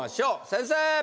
先生！